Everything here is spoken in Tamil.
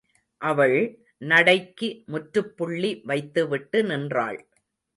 அவள், நடைக்கு முற்றுப்புள்ளி வைத்துவிட்டு நின்றாள்.